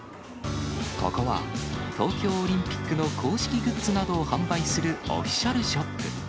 ここは、東京オリンピックの公式グッズなどを販売するオフィシャルショップ。